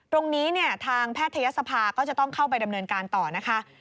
ตรงนี้เนี่ยทางแพทยศภาก็จะต้องเข้าไปดำเนินการต่อนะคะ